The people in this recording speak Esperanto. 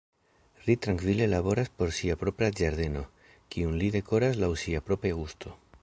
Ri trankvile laboras por sia propra ĝardeno, kiun li dekoras laŭ sia propra gusto.